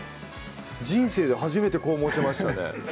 人生で初めてこう持ちましたね